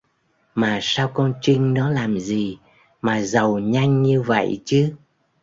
Mà sao con Trinh nó làm gì mà giàu nhanh như vậy chứ